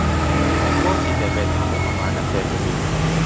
بۆچی دەبێت هەموو ئەمانە فێر ببین؟